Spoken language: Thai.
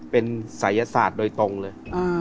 เป็นศัยศาสตร์โดยตรงเลย